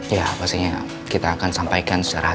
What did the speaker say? ya pastinya kita akan sampaikan secara hati hati